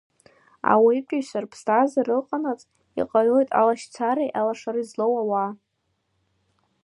Ауаатәыҩса рыԥсҭазаара ыҟанаҵ, иҟалоит алашьцареи, алашареи злоу ауаа.